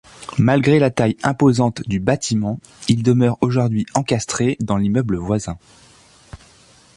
Malgré la taille imposante du bâtiment, il demeure aujourd'hui encastré dans l'immeuble voisin.